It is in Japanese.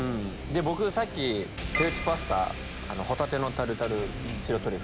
僕さっき手打ちパスタホタテのタルタル白トリュフ。